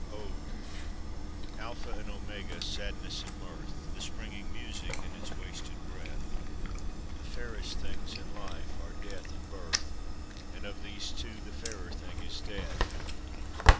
ODE Alpha and Omega, sadness and mirth, The springing music, and its wasting breath The fairest things in life are Death and Birth, And of these two the fairer thing is Death.